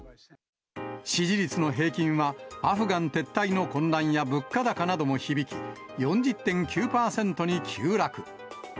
支持率の平均は、アフガン撤退の混乱や物価高なども響き、４０．９％に急落。